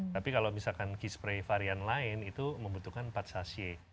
tapi kalau misalkan key spray varian lain itu membutuhkan empat sache